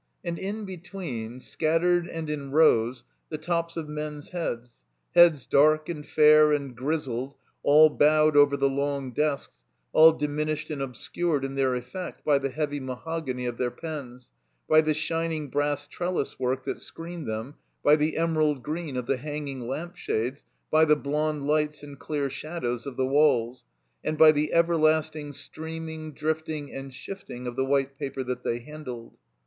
And in between, scattered an4 in rows, the tops of men's heads: heads dark and fair and grizzled, all bowed over the long desks, all diminished and obscured in their effect by the heavy mahogany of their pens, by the shining brass trellis work that screened them, by the emerald green of the hanging lampshades, by the blond lights and clear shadows of the walls, and by the everlasting streaming, drift ing, and shifting of the white paper that they handled.